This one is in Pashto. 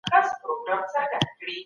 آیا د غوښې پخول مکروبونه له منځه وړي؟